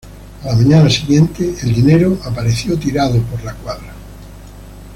A la mañana siguiente, el dinero apareció tirado en la cuadra.